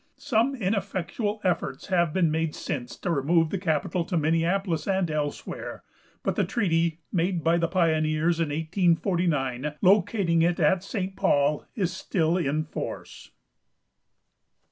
Some ineffectual efforts have been made since to remove the capital to Minneapolis and elsewhere, but the treaty, made by the pioneers in 1849, locating it at St. Paul, is still in force.